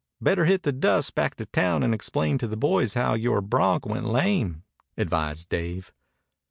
Better hit the dust back to town and explain to the boys how yore bronc went lame," advised Dave.